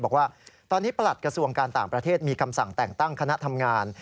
บอกว่าตอนนี้ประหลัดกระทรวงการต่างประเทศมีคำสั่งแต่งตั้งคณะทำงาน